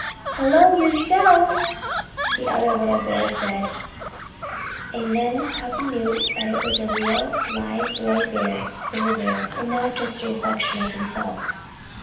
"Hello, yerself!" the other little bear said. And then Cuffy knew that it was a real, live boy bear over there, and not just a reflection of himself.